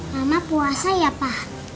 mama puasa ya pa